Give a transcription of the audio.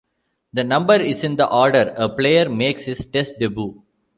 The number is in the order a player makes his Test debut.